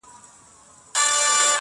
بلا توره دي پسې ستا په هنر سي!.